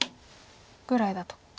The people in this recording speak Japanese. ぐらいだと。